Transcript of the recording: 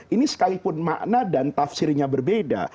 ini sekalipun makna dan tafsirnya berbeda